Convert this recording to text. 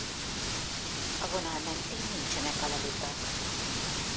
A vonal mentén nincsenek alagutak.